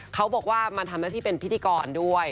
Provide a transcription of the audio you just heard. เขาบอกว่ามาทำรัฐีเป็นพิธิกรด้วย